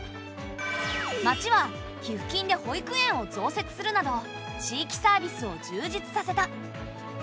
町は寄付金で保育園を増設するなど地域サービスを充実させた。